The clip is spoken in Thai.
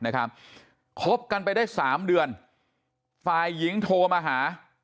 ครบไปได้สามเดือนฝ่ายหญิงโทมาหา